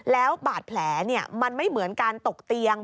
แล้วบาดแผลมันไม่เหมือนการตกเตียง